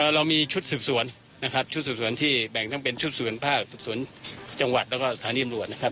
เรามีชุดสืบสวนนะครับชุดสืบสวนที่แบ่งทั้งเป็นชุดส่วนภาคสืบสวนจังหวัดแล้วก็สถานีตำรวจนะครับ